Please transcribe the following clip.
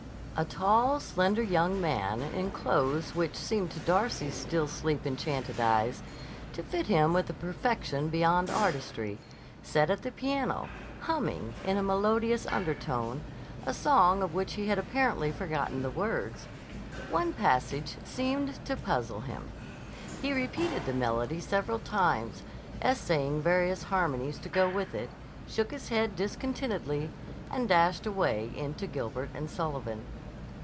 A tall, slender young man in clothes which seemed to Darcy's still sleep enchanted eyes to fit him with a perfection beyond artistry, sat at the piano, humming in a melodious undertone a song of which he had apparently forgotten the words. One passage seemed to puzzle him. He repeated the melody several times, essaying various harmonies to go with it, shook his head discontentedly, and dashed away into Gilbert and Sullivan.